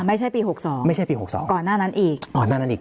ไม่ใช่ปี๖๒ก่อนหน้านั้นอีกอ๋อหน้านั้นอีก